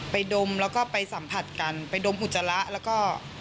ดมแล้วก็ไปสัมผัสกันไปดมอุจจาระแล้วก็